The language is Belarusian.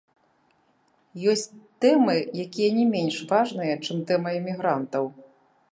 Ёсць тэмы, якія не менш важныя, чым тэма імігрантаў.